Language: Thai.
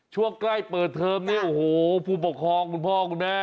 ช่วงใกล้เปิดเทอมเนี่ยโอ้โหผู้ปกครองคุณพ่อคุณแม่